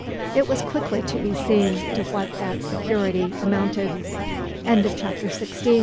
It was quickly to be seen to what that security amounted. CHAPTER XVII 1553